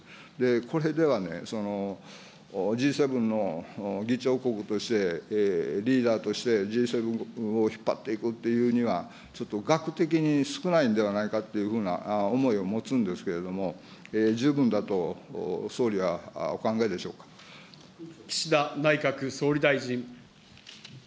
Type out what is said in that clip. これではね、Ｇ７の議長国として、リーダーとしてＧ７を引っ張っていくっていうには、ちょっと額的に少ないんではないかというふうな思いを持つんですけれども、十岸田内閣総理大臣。